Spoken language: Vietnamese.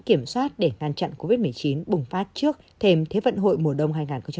kiểm soát để ngăn chặn covid một mươi chín bùng phát trước thêm thế vận hội mùa đông hai nghìn hai mươi